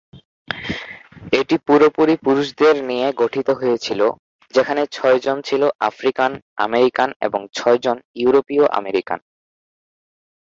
এটি পুরোপুরি পুরুষদের নিয়ে গঠিত হয়েছিলো, যেখানে ছয়জন ছিলো আফ্রিকান-আমেরিকান এবং ছয়জন ইউরোপীয়-আমেরিকান।